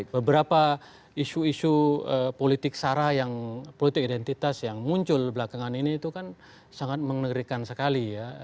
beberapa isu isu politik sara yang politik identitas yang muncul belakangan ini itu kan sangat mengerikan sekali ya